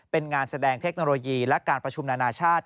เป็นงานแสดงเทคโนโลยีและการประชุมนานาชาติ